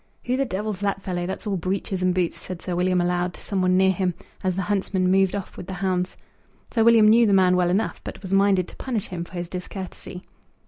"Who the devil's that fellow, that's all breeches and boots?" said Sir William aloud to some one near him, as the huntsman moved off with the hounds. Sir William knew the man well enough, but was minded to punish him for his discourtesy.